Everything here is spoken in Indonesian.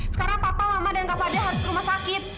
sekarang papa mama dan papanya harus ke rumah sakit